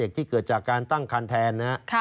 เด็กที่เกิดจากการตั้งคันแทน